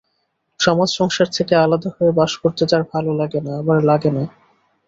সমাজ-সংসার থেকে আলাদা হয়ে বাস করতে তাঁর ভালো লাগে, আবার লাগে না।